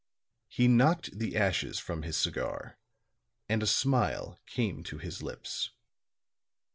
He knocked the ashes from his cigar; and a smile came to his lips.